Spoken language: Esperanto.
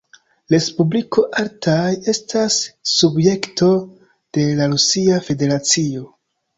Respubliko Altaj' estas subjekto de la Rusia Federacio.